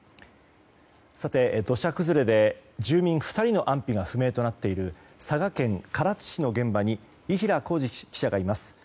土砂崩れで住民２人の安否が不明となっている佐賀県唐津市の現場に伊平晃司記者がいます。